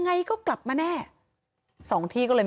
มีเรื่องอะไรมาคุยกันรับได้ทุกอย่าง